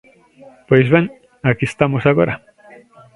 Pois ben, aquí estamos agora.